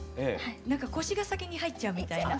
なんか腰が先に入っちゃうみたいな。